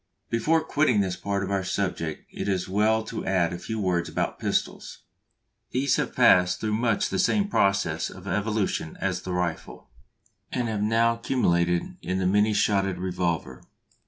Before quitting this part of our subject it is as well to add a few words about pistols. These have passed through much the same process of evolution as the rifle, and have now culminated in the many shotted revolver.